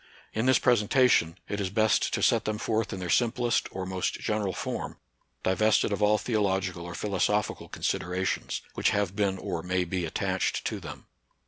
In this pres entation, it is best to set them forth in their simplest or most general form, divested of all theological or philosophical considerations, which have been or may be attached to them.